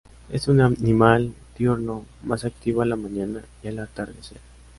Es un animal diurno, más activo a la mañana y al atardecer.